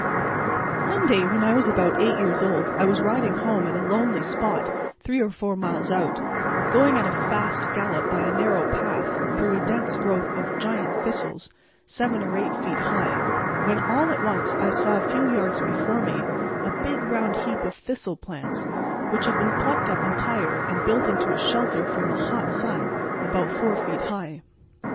One day when I was about eight years old I was riding home at a lonely spot three or four miles out, going at a fast gallop by a narrow path through a dense growth of giant thistles seven or eight feet high, when all at once I saw a few yards before me a big round heap of thistle plants, which had been plucked up entire and built into a shelter from the hot sun about four feet high.